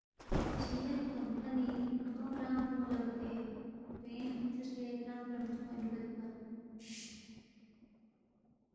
شمی غدو ن کھنی غدونی رنگ رونگ لا بودے، ہلتوئینگ خچوسے ترم ترم چھونگ چوگید پا ۔